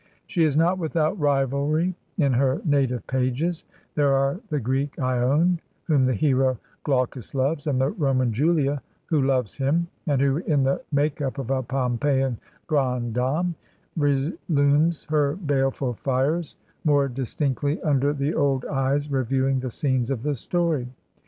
She is not without rivalry in her native pages : there are the Greek lone whom the hero Glau cus loves, and the Roman Julia who loves him, and who, in the make up of a Pompeian grande dame, re lumes her baleful fires more distinctly under the old eyes reviewing the scenes of the story.